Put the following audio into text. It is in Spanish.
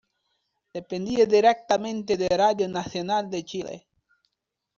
Dependía directamente de Radio Nacional de Chile.